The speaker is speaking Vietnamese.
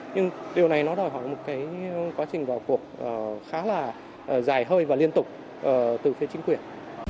nhưng điều này nó đòi hỏi một cái quá trình vào cuộc khá là dài hơi và liên tục từ phía chính quyền